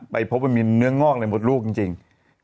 ไปพบมีเนื้อง่อกในหมดลูกจริง